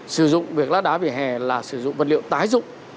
sử dụng việc lát đá về hè là sử dụng vật liệu tái dụng